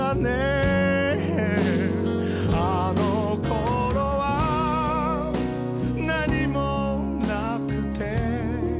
「あの頃はなにもなくて」